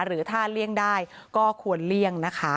หรือถ้าเลี่ยงได้ก็ควรเลี่ยงนะคะ